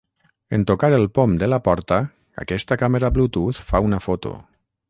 En tocar el pom de la porta, aquesta càmera Bluetooth fa una foto.